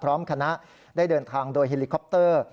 พร้อมคณะได้เดินทางโดยเฮลิคอปเตอร์